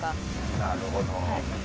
なるほど。